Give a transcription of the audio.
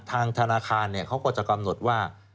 ทางธนาคารเขาก็จะกำหนดว่า